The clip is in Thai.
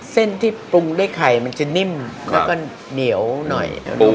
เส้นที่ปรุงด้วยไข่มันจะนิ่มแล้วก็เหนียวหน่อย